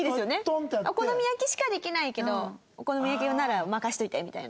お好み焼きしかできないけどお好み焼きなら任せといてみたいな。